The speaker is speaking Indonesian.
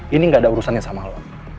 ini gak ada urusannya sama lo